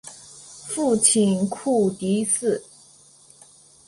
父亲厍狄峙。